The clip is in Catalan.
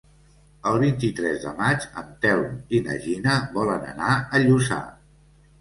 El vint-i-tres de maig en Telm i na Gina volen anar a Lluçà.